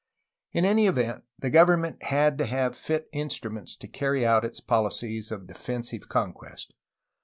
In any event the government had to have fit instruments to carry out its policies of defensive conquest.